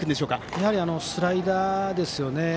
やはりスライダーですよね。